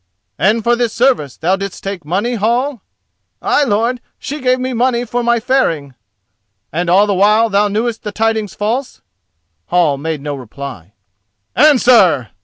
"And for this service thou didst take money, Hall?" "Ay, lord, she gave me money for my faring." "And all the while thou knewest the tidings false?" Hall made no reply. "Answer!"